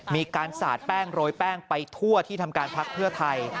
มีการสาดแป้งโรยแป้งไปทั่วที่ทำการพักเพื่อไทย